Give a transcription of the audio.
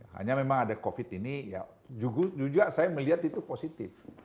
hanya memang ada covid ini ya juga saya melihat itu positif